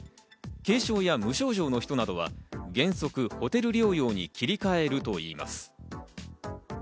軽症や無症状の人などは原則ホテル療養に切り替えるといいます。